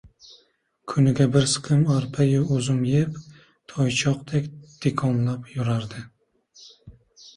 Kuniga bir siqim arpayu uzum yeb, toychoqdek dikonglab yurardi.